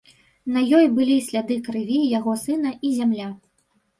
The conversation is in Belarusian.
На ёй былі сляды крыві яго сына і зямля.